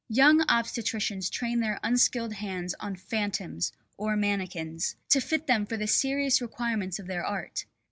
Young obstetricians train their unskilled hands on "phantoms" (or mannikins) to fit them for the serious requirements of their art.